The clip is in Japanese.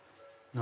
何？